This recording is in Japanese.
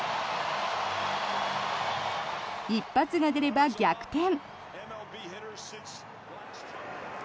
一発が出れば逆転。